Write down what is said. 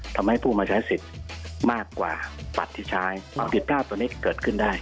ทำให้ผู้มอเชศิษฐ์มากกว่าบัตรที่ใช้ถิดภาพตัวนี้เกิดขึ้นได้